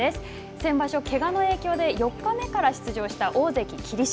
先場所、けがの影響で４日目から出場した大関・霧島。